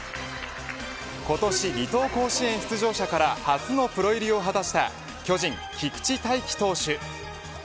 今年離島甲子園出場者から初のプロ入りを果たした巨人、菊地大稀投手。